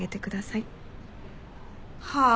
はあ？